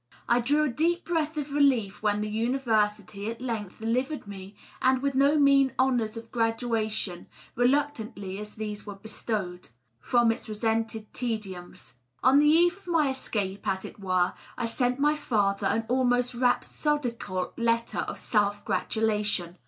I drew a deep breath of relief when the University at length delivered me (and with no mean honors of graduation, reluctantly as these were bestowed) from its resented tediums. On the eve of my escape, as it were, I sent my father an almost rhapsodical letter of self gratulation.